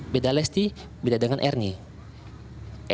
beda lesti beda dengan ernie